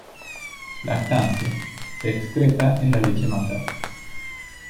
Lactancia: se excreta en la leche materna.